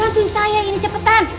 bantuin saya ini cepetan